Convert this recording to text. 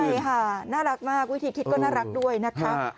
ใช่ค่ะน่ารักมากวิธีคิดก็น่ารักด้วยนะคะ